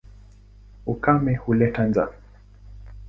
Ukame huleta njaa.